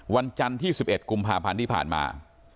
วันจันทร์ที่๑๑กุมภาพันธ์ที่ผ่านมา